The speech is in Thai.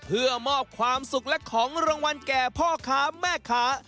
เพื่อมอบความสุขและของรางวัลแก่พ่อค้าแม่ค้า